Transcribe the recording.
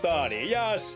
よし！